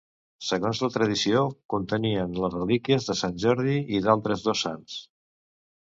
Segons la tradició, contenien les relíquies de Sant Jordi i d'altres dos sants.